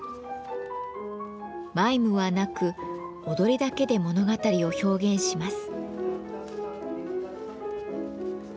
マイムはなく踊りだけで物語を表現します。